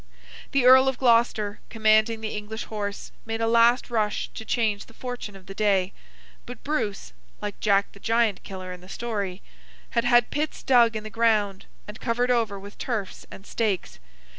The Earl of Gloucester, commanding the English horse, made a last rush to change the fortune of the day; but Bruce (like Jack the Giant killer in the story) had had pits dug in the ground, and covered over with turfs and stakes.